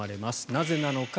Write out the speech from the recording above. なぜなのか。